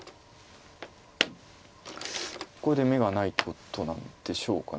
これで眼がないってことなんでしょうか。